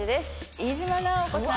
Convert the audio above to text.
飯島直子さん